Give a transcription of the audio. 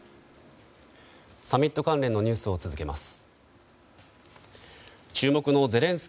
サミット関連のニュースを続けます。